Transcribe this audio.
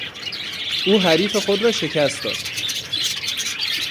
او حریف خود را شکست داد.